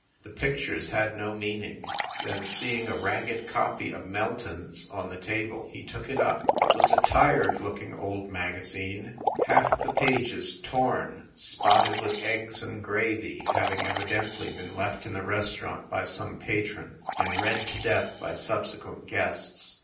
The pic tures had no meaning. Then, seeing a ragged copy of "Melton s" on the table he took it up. It was a tired looking old magazine, half the pages SCHEFFEL HALL 27 torn, spotted with eggs and gravy, having evidently been left in the restaurant by some patron, and read to death by subsequent guests.